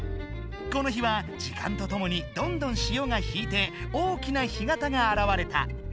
この日は時間とともにどんどん潮が引いて大きな干潟があらわれた。